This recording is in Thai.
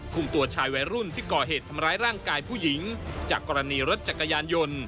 ตัวชายวัยรุ่นที่ก่อเหตุทำร้ายร่างกายผู้หญิงจากกรณีรถจักรยานยนต์